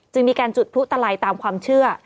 จึงมีการจุดผู้ตะไลตามความเชื่อ